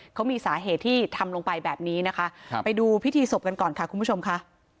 เขามีสาเหตุที่ทำลงไปแบบนี้นะคะไปดูพิธีศพกันก่อนค่ะคุณผู้ชมค่ะ